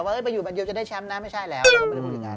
ไปอยู่บันเดียวจะได้แชมป์นะไม่ใช่แล้วเราก็ไม่ได้พูดอย่างนั้น